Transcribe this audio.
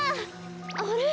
あれ？